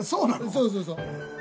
そうそうそう。